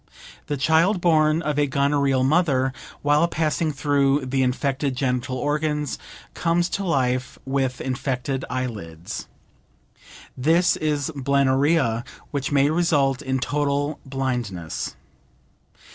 The child born of a gonorrheal mother, while passing through the infected genital organs, comes to life with infected eyelids. This is Blennorrhea, which may result in total blindness.